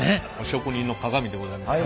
職人のかがみでございます。